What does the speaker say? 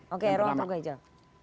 oke ruang terbuka hijau